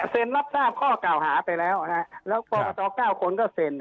รับทราบข้อกล่าวหาไปแล้วแล้วกรกต๙คนก็เซ็น